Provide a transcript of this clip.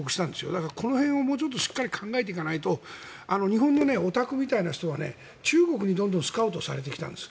だから、この辺をもうちょっとしっかり考えていかないと日本のオタクみたいな人は中国にどんどんスカウトされてきたんです。